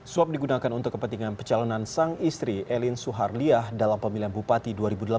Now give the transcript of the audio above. suap digunakan untuk kepentingan pecalonan sang istri elin suharliah dalam pemilihan bupati dua ribu delapan belas